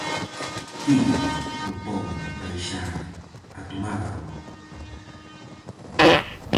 Tigre propón baixar a tomar algo.